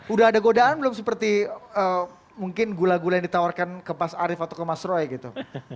udah ada godaan belum seperti mungkin gula gula yang ditawarkan ke mas arief atau ke mas roy gitu